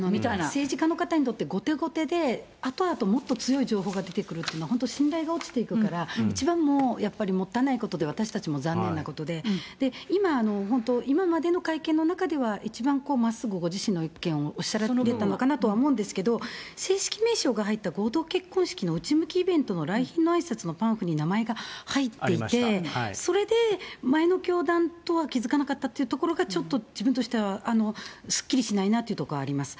政治家の方に、後手後手で、あとあともっと強い情報が出てくるというのは信頼が落ちてくるから、本当もったいないことで、私たちも残念なことで、今、本当、今までの会見の中では、まっすぐご自身の意見をおっしゃられたのかなと思うんですけど、正式名称が入った合同結婚式の内向きイベントの来賓のあいさつのパンフに名前が入っていて、それで、前の教団とは気付かなかったっていうところが、ちょっと自分としてはすっきりしないなというところあります。